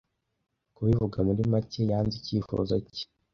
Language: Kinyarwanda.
Kubivuga muri make, yanze icyifuzo cye.